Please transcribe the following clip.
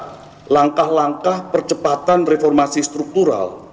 kami juga mencatat langkah langkah percepatan reformasi struktural